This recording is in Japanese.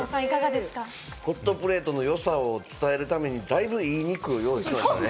ホットプレートの良さを伝えるためにだいぶ良い肉、用意しましたね。